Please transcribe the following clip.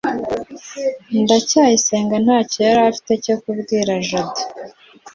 ndacyayisenga ntacyo yari afite cyo kubwira jabo